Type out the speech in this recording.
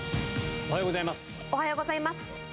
おはようございます。